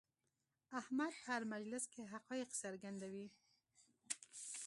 احمد په هر مجلس کې حقایق څرګندوي.